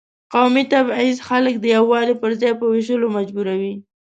قومي تبعیض خلک د یووالي پر ځای په وېشلو مجبوروي.